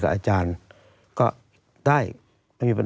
ตั้งแต่ปี๒๕๓๙๒๕๔๘